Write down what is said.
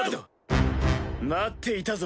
待っていたぞ